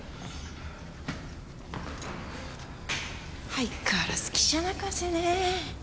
相変わらず記者泣かせね。